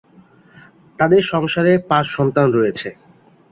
তাদের সংসারে পাঁচ সন্তান রয়েছে।